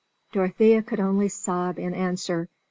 Dorothea could only sob in answer.